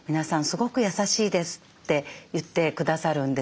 すごく優しいです」って言ってくださるんですね。